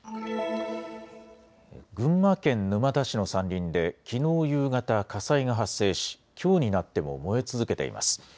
群馬県沼田市の山林できのう夕方、火災が発生しきょうになっても燃え続けています。